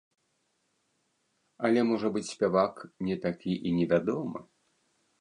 Але можа быць спявак не такі і невядомы?